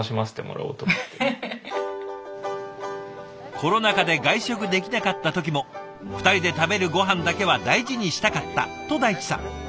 コロナ禍で外食できなかった時も２人で食べるごはんだけは大事にしたかったと大地さん。